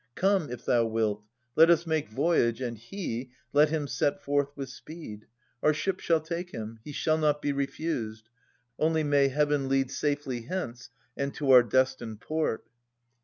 Come, if thou wilt, let us make voyage, and he, Let him set forth with speed. Our ship shall take him. He shall not be refused. Only may Heaven Lead safely hence and to our destined port!